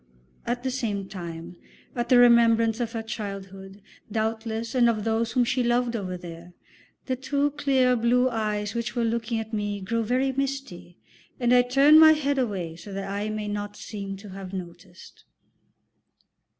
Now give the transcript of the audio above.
At the same time, at the remembrance of her childhood, doubtless, and of those whom she loved over there, the two clear blue eyes which were looking at me grow very misty, and I turn my head away so that I may not seem to have noticed.